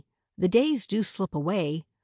the days do slip away !